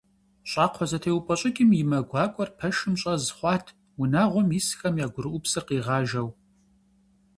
Щӏакхъуэзэтеупӏэщӏыкӏым и мэ гуакӏуэр пэшым щӏэз хъуат, унагъуэм исхэм я гурыӏупсыр къигъажэу.